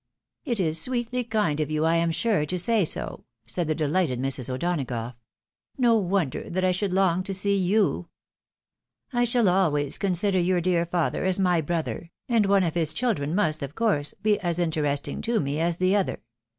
" It is sweetly kind of you, I am sure, to say so," said the delighted Mrs. O'Donagough. " No wonder that I should long to see you ! I shall always consider your dear father as my brother, and one of his children must, of course, be as interest ing to me as the other.